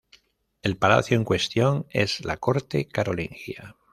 El palacio en cuestión es la corte carolingia.